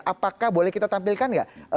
apakah boleh kita tampilkan nggak